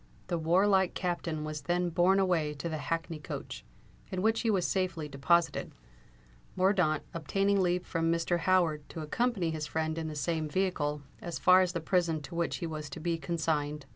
The warlike Captain was then borne away to the hackney coach, in which he was safely deposited, Mordaunt obtaining leave from Mr. Howard to accompany his friend in the same vehicle as far as the prison to which he was to be consigned.